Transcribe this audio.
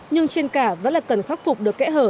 nhưng trên cả vẫn là cần khắc phục được kẽ hở